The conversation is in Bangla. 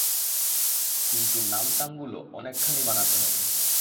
কিন্তু নামটামগুলো অনেকখানি বানাতে হবে।